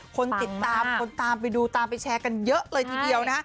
คนติดตามคนตามไปดูตามไปแชร์กันเยอะเลยทีเดียวนะฮะ